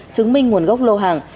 chứng minh nguồn gốc lô hàng